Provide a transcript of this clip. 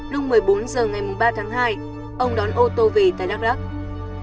lúc một mươi bốn h ngày ba tháng hai ông đón ô tô về tại dark lake